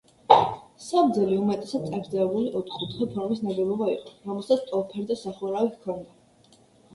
საბძელი უმეტესად წაგრძელებული ოთხკუთხა ფორმის ნაგებობა იყო, რომელსაც ტოლფერდა სახურავი ჰქონდა.